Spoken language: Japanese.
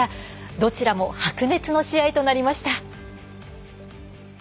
どちらも白熱の試合となりました。